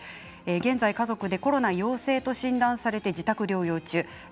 現在、家族でコロナ陽性と診断されて自宅療養中です。